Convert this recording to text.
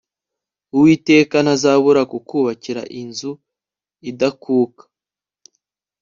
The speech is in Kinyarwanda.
Uwiteka ntazabura kukubakira inzu idakuka